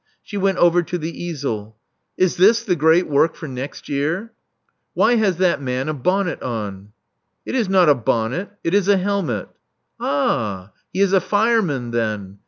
She went over to the easel. Is this the great work for next year? Why has that man a bonnet on?" It is not a bonnet: it is a helmet." Ah! He is a fireman then.